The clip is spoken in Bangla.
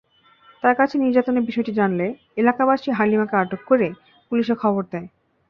তার কাছে নির্যাতনের বিষয়টি জানলে এলাকাবাসী হালিমাকে আটকে করে পুলিশে খবর দেয়।